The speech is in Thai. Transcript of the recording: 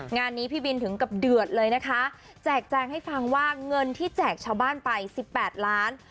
งานนี้พี่บินถึงกับเดือดเลยนะคะแจกแจงให้ฟังว่าเงินที่แจกชาวบ้านไปสิบแปดล้าน